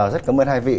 rất cảm ơn hai vị